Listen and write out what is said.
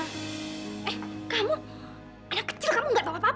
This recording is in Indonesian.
anak kecil kamu gak tau apa apa